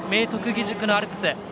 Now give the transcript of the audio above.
義塾のアルプス。